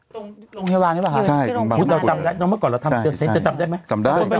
โรงแพทยาวางหรือเปล่าครับทั้งคู่พี่รองแพทยาวางเบื้อน้องเมื่อก่อนเราทำแล้วจะจำได้ไหม